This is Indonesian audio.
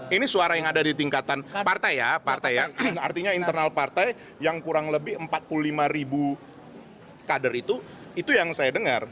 ini suara yang ada di tingkatan partai ya partai ya artinya internal partai yang kurang lebih empat puluh lima ribu kader itu itu yang saya dengar